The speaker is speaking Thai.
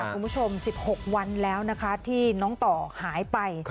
คุณผู้ชม๑๖วันแล้วนะคะที่น้องต่อหายไป